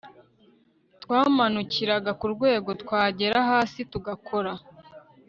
twamanukiraga ku rwego twagera hasi tugakora